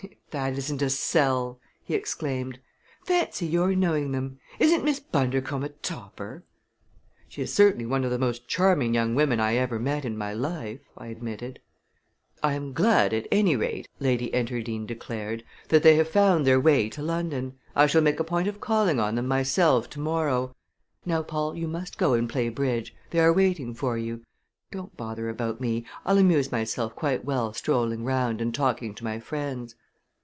"If that isn't a sell!" he exclaimed. "Fancy your knowing them! Isn't Miss Bundercombe a topper!" "She is certainly one of the most charming young women I ever met in my life," I admitted. "I am glad, at any rate," Lady Enterdean declared, "that they have found their way to London. I shall make a point of calling on them myself tomorrow. Now, Paul, you must go and play bridge. They are waiting for you. Don't bother about me I'll amuse myself quite well strolling round and talking to my friends."